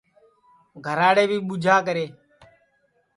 گھراڑے بھی ٻوجھا کرے